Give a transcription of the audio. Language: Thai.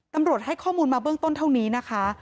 ตำรวจให้ข้อมูลมาเบื้องต้นเท่านี้นะคะ